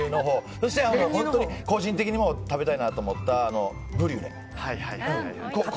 そして本当、個人的にも食べたいなと思ったブリュレ。